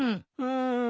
うん。